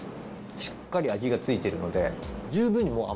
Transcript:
しっかり味が付いてるので。